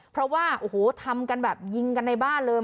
เพราะว่าโอ้โหทำกันแบบยิงกันในบ้านเลย